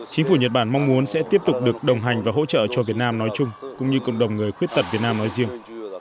chính phủ nhật bản mong muốn sẽ tiếp tục được đồng hành và hỗ trợ cho việt nam nói chung cũng như cộng đồng người khuyết tật việt nam nói riêng